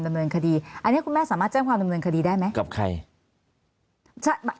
ดำเนินคดีอันนี้คุณแม่สามารถแจ้งความดำเนินคดีได้ไหมกับใคร